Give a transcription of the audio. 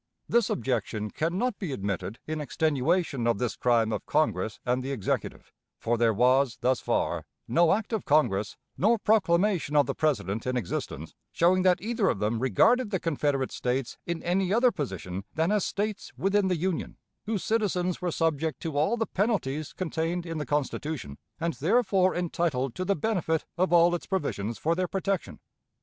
This objection can not be admitted in extenuation of this crime of Congress and the Executive; for there was, thus far, no act of Congress, nor proclamation of the President in existence, showing that either of them regarded the Confederate States in any other position than as States within the Union, whose citizens were subject to all the penalties contained in the Constitution, and therefore entitled to the benefit of all its provisions for their protection.